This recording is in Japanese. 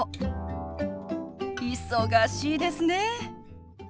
忙しいですね。